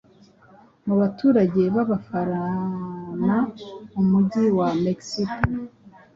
mu baturage bAbafarana mu Mujyi wa Mexico